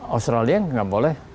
australia tidak boleh